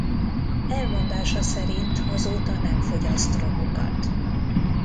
Elmondása szerint azóta nem fogyaszt drogokat.